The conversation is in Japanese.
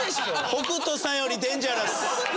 北斗さんよりデンジャラス。